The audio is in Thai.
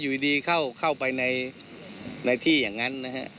อยู่ดีเข้าไปในที่อย่างนั้นนะฮะ